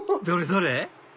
どれ？